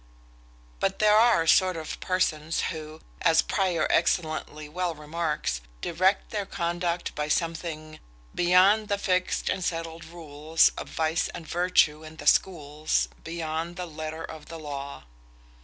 But there are a sort of persons, who, as Prior excellently well remarks, direct their conduct by something Beyond the fix'd and settled rules Of vice and virtue in the schools, Beyond the letter of the law.